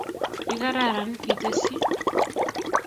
Ikararan, kitesyi